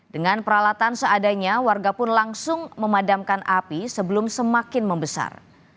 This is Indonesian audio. dengan peralatan seadanya warga pun langsung memadamkan api sebelum semakin membesar